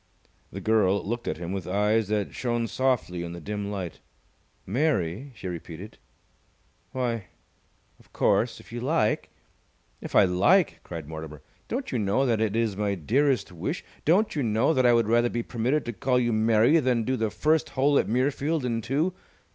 The girl looked at him with eyes that shone softly in the dim light. "Mary?" she repeated. "Why, of course, if you like " "If I like!" cried Mortimer. "Don't you know that it is my dearest wish? Don't you know that I would rather be permitted to call you Mary than do the first hole at Muirfield in two?